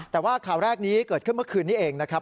แต่ว่าข่าวแรกนี้เกิดขึ้นเมื่อคืนนี้เองนะครับ